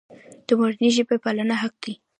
د مورنۍ ژبې پالنه حق دی.